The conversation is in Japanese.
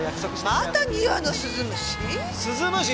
また庭の鈴虫？